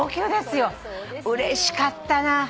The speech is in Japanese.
うれしかったな。